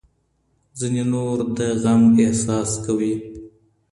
ځینې نور د غم احساس کاوه.